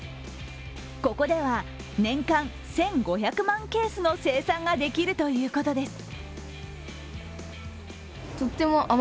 ここでは年間１５００万ケースの生産ができるということです。